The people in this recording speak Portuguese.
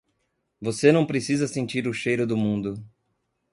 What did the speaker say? Você não precisa sentir o cheiro do mundo!